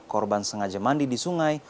korban sengaja mandi di sungai